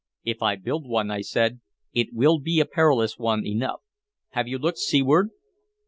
"If I build one," I said, "it will be a perilous one enough. Have you looked seaward?"